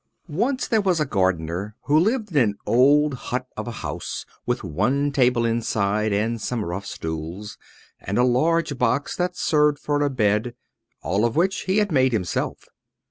Once there was a gardener who lived in an old hut of a house, with one table inside, and some rough stools, and a large box that served for a bed, all of which he had made himself.